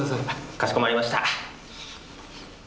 かしこまりました。